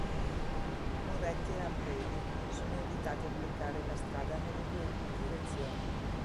Moretti e Lampredi sono inviati a bloccare la strada nelle due direzioni.